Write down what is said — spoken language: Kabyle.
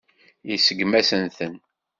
Iseggem-asent-ten.